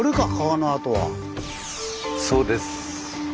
そうです。